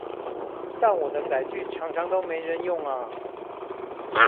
但我的載具常常都沒人用啊！